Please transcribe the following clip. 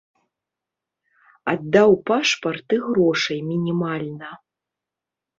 Аддаў пашпарт і грошай мінімальна.